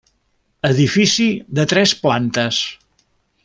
Edifici de tres plantes.